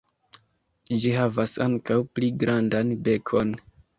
Ĝi havas ankaŭ pli grandan bekon.